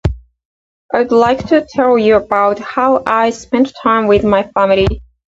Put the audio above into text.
I would like to tell you about how I spend time with my family.